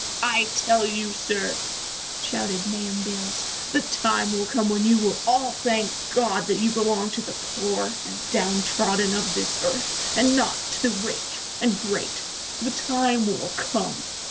"I tell you, sir," shouted Nahum Beals, "the time will come when you will all thank God that you belong to the poor and down trodden of this earth, and not to the rich and great the time will come.